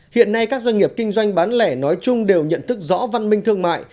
hiện nay các doanh nghiệp kinh doanh bán lẻ nói chung đều nhận thức rõ văn minh thương mại